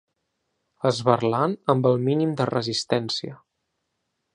Esberlant amb el mínim de resistència.